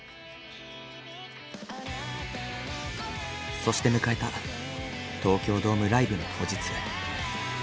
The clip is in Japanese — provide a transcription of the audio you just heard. そして迎えた東京ドームライブの当日。